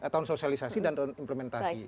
tahun sosialisasi dan implementasi